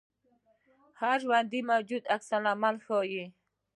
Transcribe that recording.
هر ژوندی موجود عکس العمل ښيي